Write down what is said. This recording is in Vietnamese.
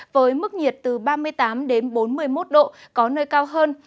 với mức nhiệt từ ba mươi tám đến bốn mươi một độ có nơi cao hơn